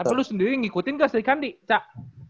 eh tapi lu sendiri ngikutin gak sri kandi cak